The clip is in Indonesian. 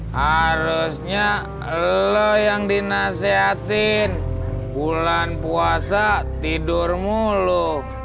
harusnya lo yang dinasehatin bulan puasa tidur mulu